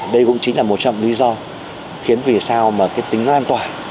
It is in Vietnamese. đây cũng chính là một trong lý do khiến vì sao mà cái tính lan tỏa